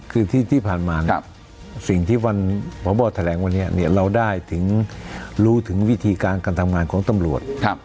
คือที่ผ่านมาสิ่งที่วันพบแถลงวันนี้เราได้ถึงรู้ถึงวิธีการการทำงานของตำรวจ